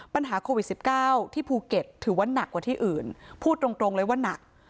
ปัญหาโควิด๑๙ที่ภูเก็ตถือว่าหนักกว่าที่อื่นพูดตรงเลยว่านัก